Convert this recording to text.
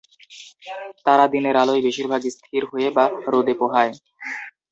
তারা দিনের আলোয় বেশিরভাগ স্থির হয়ে বা রোদে পোহায়।